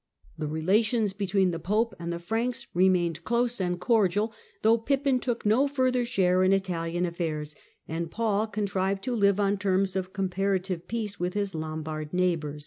The relations between the Pope and he Franks remained close and cordial, though Pippin ook no further share in Italian affairs, and Paul con rived to live on terms of comparative peace with his Lombard neighbour.